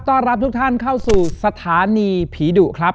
ต้อนรับทุกท่านเข้าสู่สถานีผีดุครับ